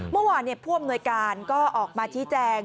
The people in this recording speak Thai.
เมื่อวานผู้อำนวยการก็ออกมาชี้แจง